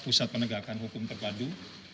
pusat penegakan hukum terpadu